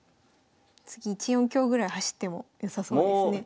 次１四香ぐらい走ってもよさそうですね。